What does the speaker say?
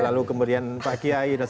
lalu kemudian pak kiai